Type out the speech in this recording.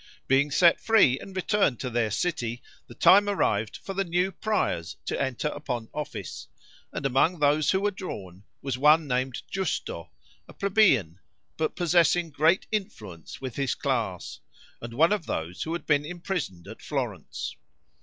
Being set free and returned to their city, the time arrived for the new Priors to enter upon office, and among those who were drawn, was one named Giusto, a plebeian, but possessing great influence with his class, and one of those who had been imprisoned at Florence.